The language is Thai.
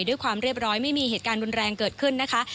ด้วยความเรียบร้อยไม่มีเหตุการณ์รุนแรงเกิดขึ้นนะคะ